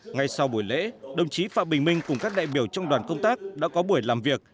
ngay sau buổi lễ đồng chí phạm bình minh cùng các đại biểu trong đoàn công tác đã có buổi làm việc